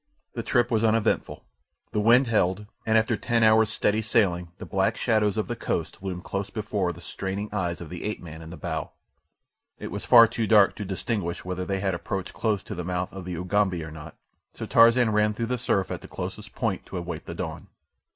The trip was uneventful, the wind held, and after ten hours' steady sailing the black shadows of the coast loomed close before the straining eyes of the ape man in the bow. It was far too dark to distinguish whether they had approached close to the mouth of the Ugambi or not, so Tarzan ran in through the surf at the closest point to await the dawn.